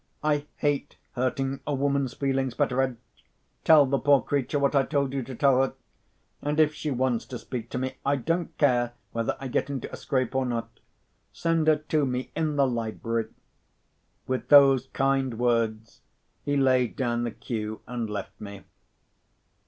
I hate hurting a woman's feelings, Betteredge! Tell the poor creature what I told you to tell her. And if she wants to speak to me—I don't care whether I get into a scrape or not—send her to me in the library." With those kind words he laid down the cue and left me.